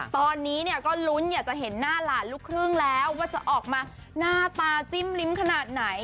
ตอนนี้เนี่ยก็ลุ้นอยากจะเห็นหน้าหลานลูกครึ่งแล้วว่าจะออกมาหน้าตาจิ้มลิ้มขนาดไหน